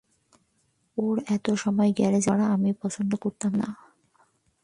ওর এত সময় গ্যারেজে কাজ করা আমি পছন্দ করতাম না।